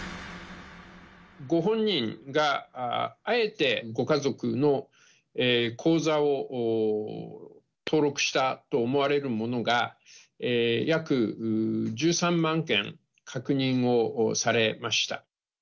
ご本人が、あえてご家族の口座を登録したと思われるものが、約１３万件確認をされました。